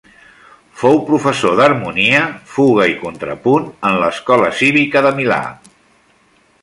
Fou professor d'harmonia, fuga i contrapunt en l'Escola Cívica de Milà.